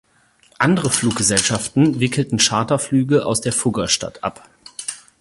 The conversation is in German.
Andere Fluggesellschaften wickelten Charterflüge aus der Fuggerstadt ab.